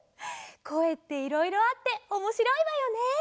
こえっていろいろあっておもしろいわよね。